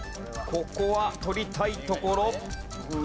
ここは取りたいところ。